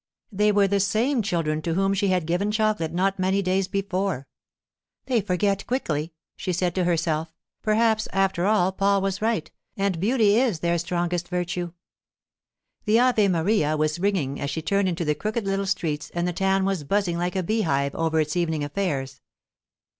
They were the same children to whom she had given chocolate not many days before. 'They forget quickly!' she said to herself, 'perhaps, after all, Paul was right, and beauty is their strongest virtue.' The 'Ave Maria' was ringing as she turned into the crooked little streets, and the town was buzzing like a beehive over its evening affairs.